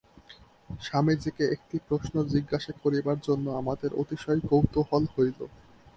স্বামীজীকে একটি প্রশ্ন জিজ্ঞাসা করিবার জন্য আমাদের অতিশয় কৌতূহল হইল।